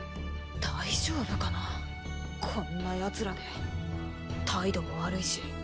大丈夫かなこんなヤツらで態度も悪いし。